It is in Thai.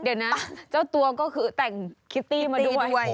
เดี๋ยวนะเจ้าตัวก็คือแต่งคิตตี้มาด้วย